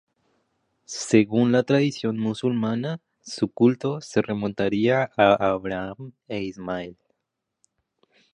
Según la tradición musulmana, su culto se remontaría a Abraham e Ismael.